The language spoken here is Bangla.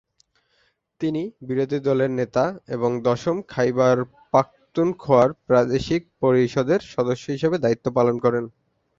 তিনি বিরোধী দলের নেতা এবং দশম খাইবার পাখতুনখোয়ার প্রাদেশিক পরিষদের সদস্য হিসেবে দায়িত্ব পালন করেন।